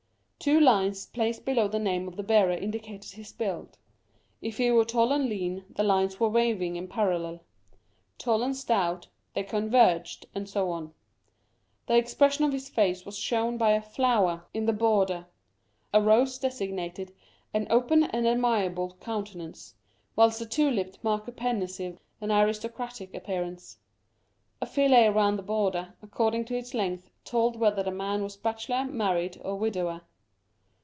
Two lines placed below the name of the bearer indicated his build. If he were tall and lean, the lines were waving and parallel ; tall and stout, they converged ; and so on. The expression of his face was shown by a flower in the 27 Curiosities of Olden Times border. A rose designated an open and amiable countenance, whilst a tulip marked a pensive and aristocratic appearance. A fillet round the border, according to its length, told whether the man was bachelor, married, or widower.